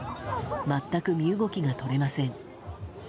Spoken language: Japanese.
全く身動きが取れません。